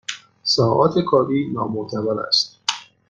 ساعات کاری نامعتبر است